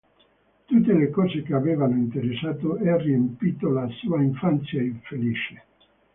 Tutte le cose che avevano interessato e riempito la sua infanzia infelice.